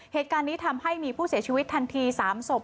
เหตุการณ์นี้ทำให้มีผู้เสียชีวิตทันที๓ศพ